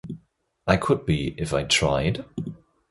I could be, if I tried.